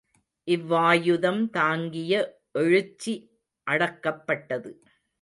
இவ்வாயுதம் தாங்கிய எழுச்சி அடக்கப்பட்டது.